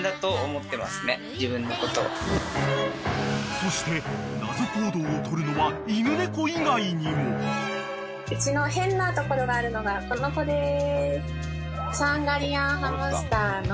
［そして謎行動をとるのは犬猫以外にも］うちの変なところがあるのがこの子です。